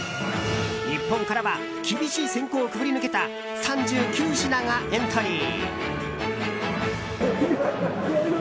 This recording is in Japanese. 日本からは厳しい選考をくぐり抜けた３９品がエントリー。